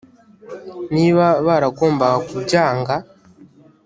niba baragombaga kubyanga